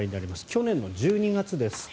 去年１２月です。